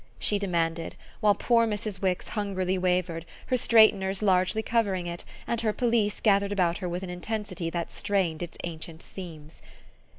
she demanded while poor Mrs. Wix hungrily wavered, her straighteners largely covering it and her pelisse gathered about her with an intensity that strained its ancient seams.